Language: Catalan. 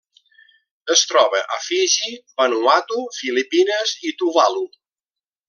Es troba a Fiji, Vanuatu, Filipines i Tuvalu.